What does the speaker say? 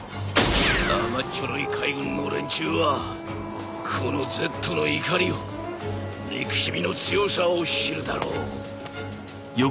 海軍の連中はこのＺの怒りを憎しみの強さを知るだろう。